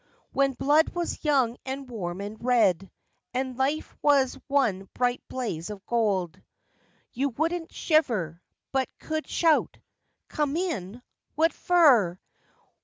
When blood was young and warm and red, and life was one bright blaze of gold. You wouldn't shiver, but could shout— 'Come in? What fer?